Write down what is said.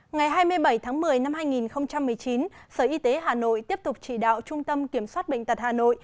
ngày hai mươi bảy tháng một mươi năm hai nghìn một mươi chín sở y tế hà nội tiếp tục chỉ đạo trung tâm kiểm soát bệnh tật hà nội